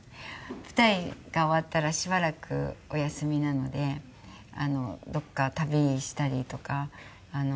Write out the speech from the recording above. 舞台が終わったらしばらくお休みなのでどこか旅したりとか。